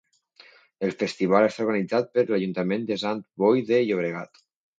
El Festival està organitzat per l'Ajuntament de Sant Boi de Llobregat.